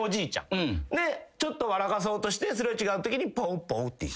ちょっと笑かそうとして擦れ違うときに「ぽーぽー」って言う。